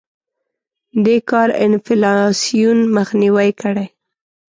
دې کار انفلاسیون مخنیوی کړی.